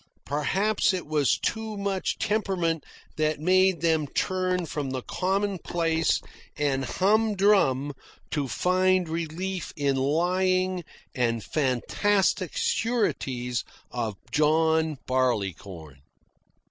Perhaps it was too much temperament that made them turn from the commonplace and humdrum to find relief in the lying and fantastic sureties of John Barleycorn.